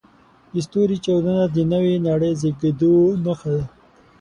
د ستوري چاودنه د نوې نړۍ د زېږېدو نښه ده.